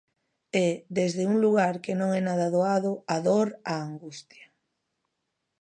E desde un lugar que non é nada doado: a dor, a angustia.